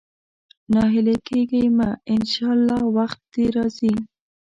ناهيلی کېږه مه، ان شاءالله وخت دې راځي.